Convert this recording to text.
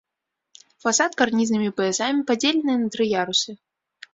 Фасад карнізнымі паясамі падзелены на тры ярусы.